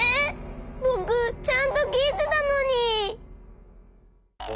ぼくちゃんときいてたのに。